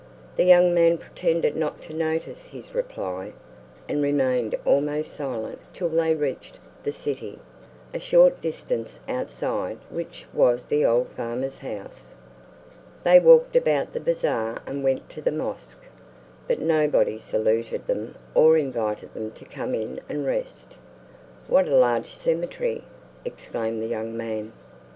The young man pretended not to notice his reply, and remained almost silent till they reached the city, a short distance outside which was the old farmer's house. They walked about the bazaar and went to the mosque, but nobody saluted them or invited them to come in and rest. "What a large cemetery!" exclaimed the young man.